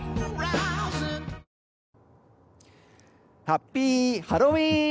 ハッピーハロウィーン！